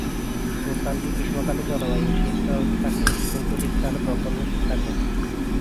উদ্যানটিতে গ্রীষ্মকালে জলবায়ু শীতল থাকে কিন্তু শীতকালে প্রখর রোদ থাকে।